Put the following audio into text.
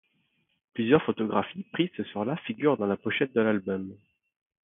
Plusieurs photographies prises ce soir-là figurent dans la pochette de l'album.